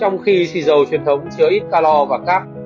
trong khi xì dầu truyền thống chứa ít calor và cap